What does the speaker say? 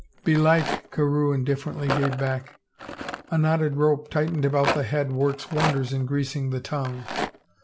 " Belike," Carewe indifferently gave back. " A knot ted rope tightened about the head works wonders in greasing the tongue!